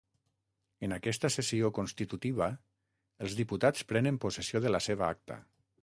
En aquesta sessió constitutiva els diputats prenen possessió de la seva acta.